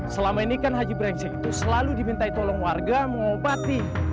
selama ini kan haji brengsek itu selalu diminta tolong warga mengobati